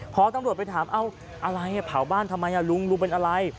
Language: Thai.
พอตำรวจไปถามเอาอะไรเผาบ้านทำไมลุงลุงเป็นอะไร